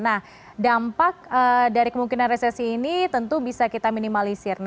dan dampak dari potensial pertandang ini tentu bisa kita minimalisir